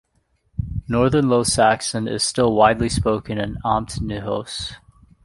Northern Low Saxon is still widely spoken in Amt Neuhaus.